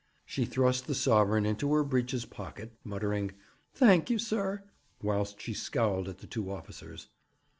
She thrust the sovereign into her breeches pocket, muttering 'Thank you, sir,' whilst she scowled at the two officers.